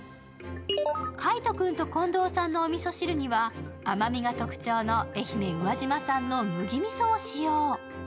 海音君と近藤さんのおみそ汁には甘みが特徴の愛媛・宇和島産の麦みそを使用。